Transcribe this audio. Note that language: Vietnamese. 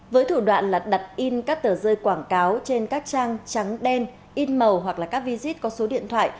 với thủ đoạn là đặt in các tờ rơi quảng cáo trên các trang trắng đen in màu hoặc là các visit có số điện thoại